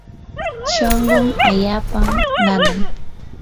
shunqun allaapam nanan.